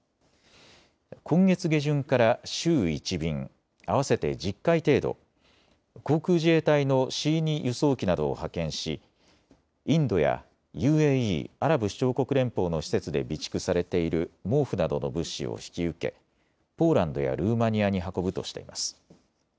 今月下旬から週１便、合わせて１０回程度、航空自衛隊のＣ２輸送機などを派遣しインドやＵＡＥ・アラブ首長国連邦の施設で備蓄されている毛布などの物資を引き受けポーランドやルーマニアに運ぶとしています。